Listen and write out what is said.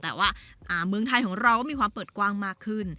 แต่ว่าเมืองไทยของเราก็มีความเปิดกว้างมากขึ้น